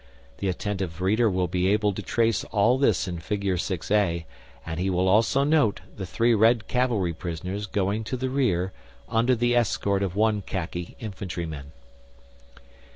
The attentive reader will be able to trace all this in figure 6a, and he will also note the three Red cavalry prisoners going to the rear under the escort of one Khaki infantry man.